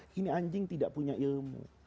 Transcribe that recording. karena dia tidak punya ilmu